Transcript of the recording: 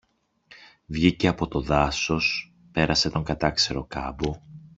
Βγήκε από το δάσος, πέρασε τον κατάξερο κάμπο